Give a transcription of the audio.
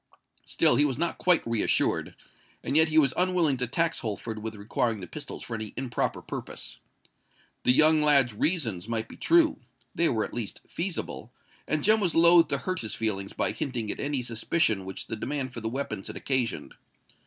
Still he was not quite reassured; and yet he was unwilling to tax Holford with requiring the pistols for any improper purpose. The young lad's reasons might be true—they were at least feasible; and Jem was loth to hurt his feelings by hinting at any suspicion which the demand for the weapons had occasioned.